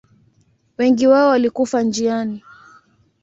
Wengi wao walikufa njiani.